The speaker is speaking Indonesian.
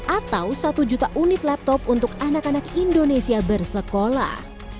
atau satu juta unit laptop untuk anak anak indonesia bersekolah